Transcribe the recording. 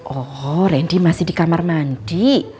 oh randy masih di kamar mandi